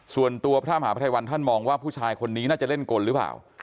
ส่วนตัวพระมหาพระไทยวันท่านมองว่าผู้ชายคนนี้น่าจะเล่นกลรึเปล่า